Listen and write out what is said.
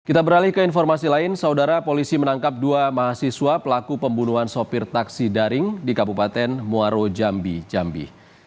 kita beralih ke informasi lain saudara polisi menangkap dua mahasiswa pelaku pembunuhan sopir taksi daring di kabupaten muaro jambi jambi